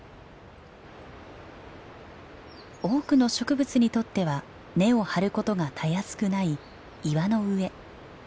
多くの植物にとっては根を張ることがたやすくない岩の上。